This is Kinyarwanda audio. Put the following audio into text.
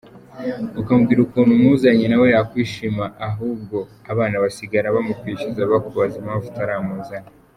Ukababwira ukuntu umuzanye nawe yakwishima ahubwo abana basigara bamukwishyuza, bakakubaza impamvu utaramuzana.